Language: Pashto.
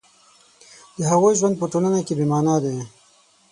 د هغوی ژوند په ټولنه کې بې مانا دی